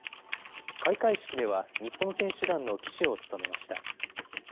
開会式では、日本選手団の旗手を務めました。